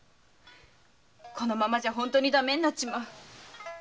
このままじゃ本当にダメになっちまう！